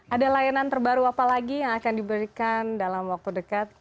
ada layanan terbaru apa lagi yang akan diberikan dalam waktu dekat